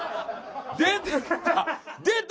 出てきた！